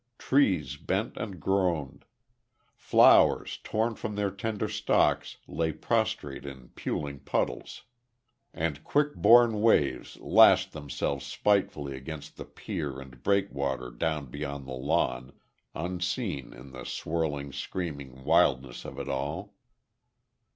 Trees bent and groaned. Flowers, torn from their tender stalks, lay prostrate in puling puddles. And quick born waves lashed themselves spitefully against the pier and breakwater down beyond the lawn, unseen in the swirling, screaming wildness of it all.